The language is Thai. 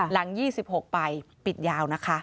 หลัง๒๖ไปปิดยาวนะคะ